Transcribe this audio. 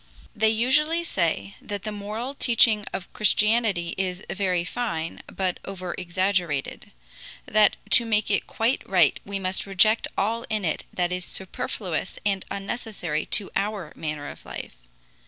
They usually say that the moral teaching of Christianity is very fine, but overexaggerated; that to make it quite right we must reject all in it that is superfluous and unnecessary to our manner of life.